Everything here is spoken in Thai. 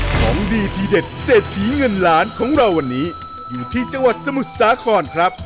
ของดีทีเด็ดเศรษฐีเงินล้านของเราวันนี้อยู่ที่จังหวัดสมุทรสาครครับ